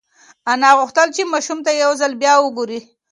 انا غوښتل چې ماشوم ته یو ځل بیا وگوري.